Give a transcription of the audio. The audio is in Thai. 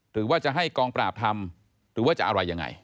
หรือว่าจะให้กองปราบทำหรือว่าจะอะไรยังไง